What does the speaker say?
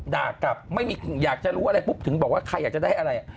ด่ากลับไม่มีอยากจะรู้อะไรปุ๊บถึงบอกว่าใครอยากจะได้อะไร